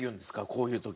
こういう時。